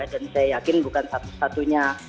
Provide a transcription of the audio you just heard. perkawinan ini adalah sebuah upaya bukan satu satunya upaya ya